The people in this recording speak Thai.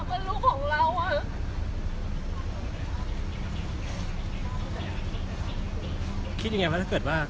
ไม่ใช่นี่คือบ้านของคนที่เคยดื่มอยู่หรือเปล่า